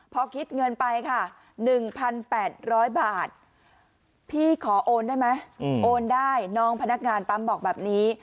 พอคิดเงินไปค่ะ๑๘๐๐บาทพี่ขอโอนได้ไหมโอนได้น้องพนักงานปั๊มบอกแบบนี้